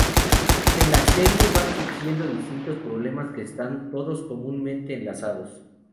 En la serie van surgiendo distintos problemas que están todos comúnmente enlazados.